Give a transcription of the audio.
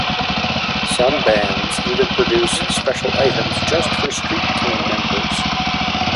Some bands even produce special items just for street team members.